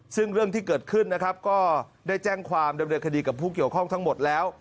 ซึ่งเรื่องที่เกิดขึ้นนะครับก็ได้แจ้งความดำเนินคดีกับผู้เกี่ยวข้องทั้งหมดแล้ว